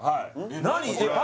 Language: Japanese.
何？